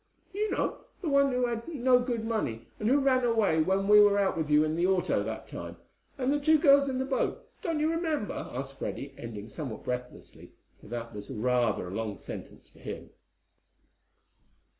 "You know, the one who had the no good money, and who ran away when we were out with you in the auto that time, and the two girls in the boat don't you remember?" asked Freddie, ending somewhat breathlessly, for that was rather a long sentence for him.